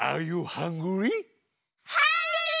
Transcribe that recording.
ハングリー！